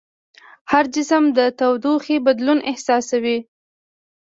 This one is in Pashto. هر جسم د تودوخې بدلون احساسوي.